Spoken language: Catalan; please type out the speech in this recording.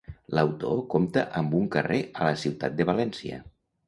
L'autor compta amb un carrer a la ciutat de València.